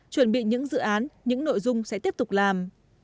chuẩn bị những dự án những nội dung sẽ tiếp tục làm